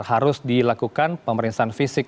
harus dilakukan pemeriksaan fisik